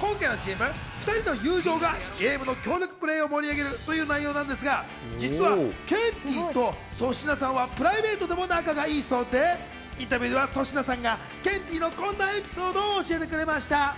今回のＣＭは２人の友情がゲームの協力プレイを盛り上げるという内容なんですが、実はケンティーと粗品さんはプライベートでも仲が良いそうで、インタビューでは粗品さんがケンティーのこんなエピソードを教えてくれました。